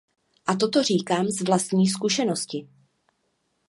A toto říkám z vlastní zkušenosti.